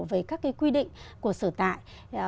về các quy định của sở tại